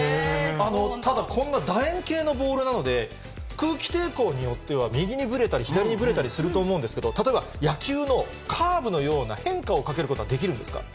ただ、こんなだ円形のボールなので、空気抵抗によっては右にぶれたり、左にぶれたりすると思うんですけど、例えば野球のカーブのような変化をかけることはできるんですか？